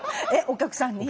お客さんに。